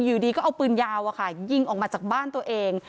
อยู่ดีก็เอาปืนยาวยิงออกมาจากบ้านตัวเอง